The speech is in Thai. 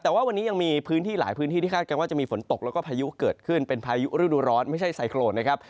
แต่ว่าพื้นที่ปอดการณ์ยังมีฝนตกพายุก็เกิดขึ้นเป็นพายุรือดาร้อนไม่ใช่ไซโคลนนะครับ